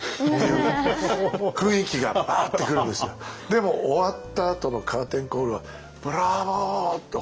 でも終わったあとのカーテンコールは「ブラボー！」って